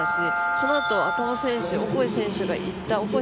そのあと、赤穂選手、オコエ選手がいったところ